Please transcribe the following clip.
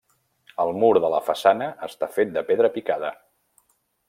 El mur de la façana està fet de pedra picada.